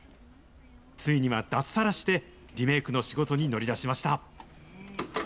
ついには脱サラして、リメイクの仕事に乗り出しました。